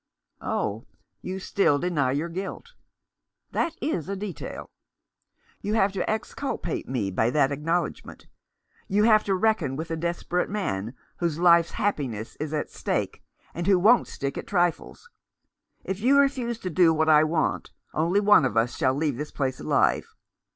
" Oh, you still deny your guilt. That is a detail. You have to exculpate me by that acknowledg ment. You have to reckon with a desperate man, whose life's happiness is at stake, and who won't stick at trifles. If you refuse to do what I want, only one of us shall leave this place alive.